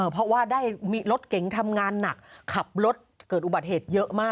เพราะว่าได้มีรถเก๋งทำงานหนักขับรถเกิดอุบัติเหตุเยอะมาก